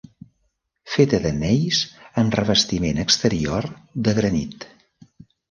Feta de gneis amb revestiment exterior de granit.